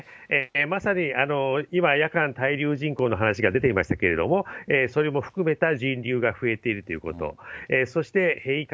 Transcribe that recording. まさに今、夜間滞留人口の話が出ていましたけれども、それを含めた人流が増えているということ、そして変異株。